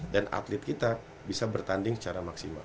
dan atlet kita bisa bertanding secara maksimal